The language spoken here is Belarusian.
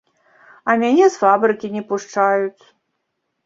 А мяне з фабрыкі не пушчаюць.